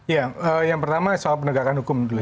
ya yang pertama soal penegakan hukum dulu